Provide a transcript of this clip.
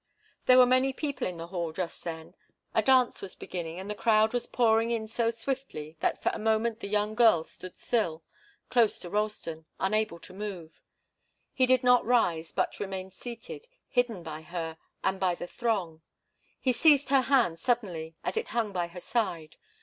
There were many people in the hall just then. A dance was beginning, and the crowd was pouring in so swiftly that for a moment the young girl stood still, close to Ralston, unable to move. He did not rise, but remained seated, hidden by her and by the throng. He seized her hand suddenly, as it hung by her side.